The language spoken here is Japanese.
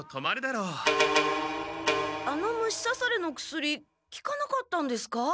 あの虫さされの薬きかなかったんですか？